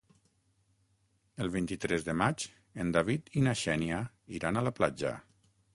El vint-i-tres de maig en David i na Xènia iran a la platja.